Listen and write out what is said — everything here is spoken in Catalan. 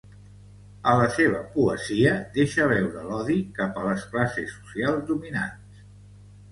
A la seva poesia deixa veure l'odi cap a les classes socials dominants.